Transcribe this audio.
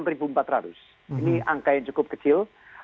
ini angka yang cukup kecil